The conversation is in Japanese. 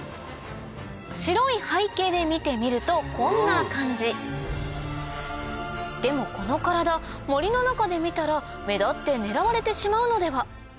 白い背景で見てみるとこんな感じでもこの体森の中で見たら目立って狙われてしまうのでは？